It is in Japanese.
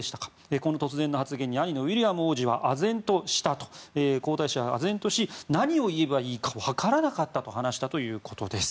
この突然の発言に兄のウィリアム皇太子はあぜんとし何を言えばいいかわからなかったと話したということです。